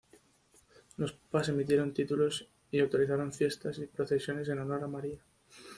Los papas emitieron títulos y autorizaron fiestas y procesiones en honor a María.